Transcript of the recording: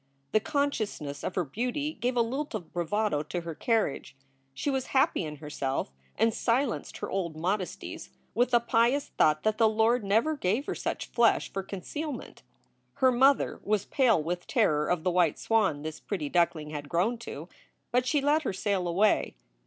The consciousness of her beauty gave a lilt of bravado to her carriage. She was happy in her self, and silenced her old modesties with a pious thought that the Lord never gave her such flesh for concealment. Her mother was pale with terror of the white swan this pretty duckling had grown to, but she let her sail away.